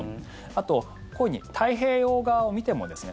あと、こういうふうに太平洋側を見てもですね